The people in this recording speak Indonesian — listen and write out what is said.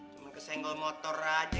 cuman kesenggol motor aja